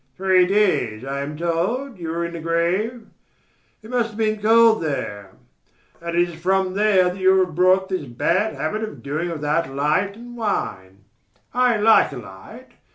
Three days, I am told, you were in the grave. It must have been cold there... and it is from there that you have brought this bad habit of doing without light and wine. I like a light.